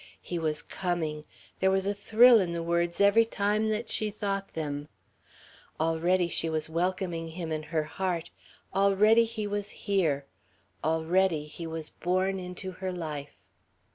He was coming there was a thrill in the words every time that she thought them. Already she was welcoming him in her heart, already he was here, already he was born into her life....